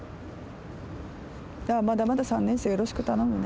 だからまだまだ３年生、よろしく頼むね。